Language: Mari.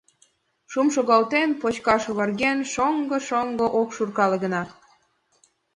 Шум шогалтен, почшат оварген — шоҥшо, шоҥшо, ок шуркале гына.